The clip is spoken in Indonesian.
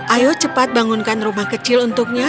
ayo cepat bangunkan rumah kecil untuknya